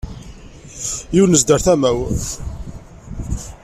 Yunez-d ɣer tama-w.